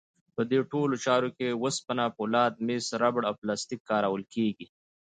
په دې ټولو چارو کې وسپنه، فولاد، مس، ربړ او پلاستیک کارول کېږي.